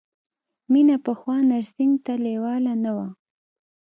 مینه پخوا نرسنګ ته لېواله نه وه